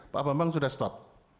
pak pabang sudah stop